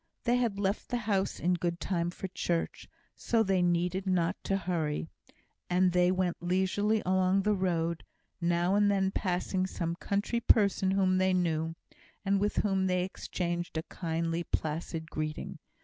They had left the house in good time for church, so they needed not to hurry; and they went leisurely along the road, now and then passing some country person whom they knew, and with whom they exchanged a kindly, placid greeting.